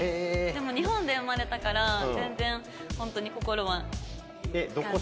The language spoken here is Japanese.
でも日本で生まれたから全然本当に心は。